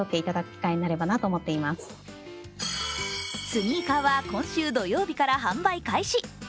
スニーカーは今週土曜日から販売開始。